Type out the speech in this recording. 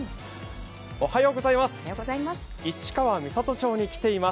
おはようございます。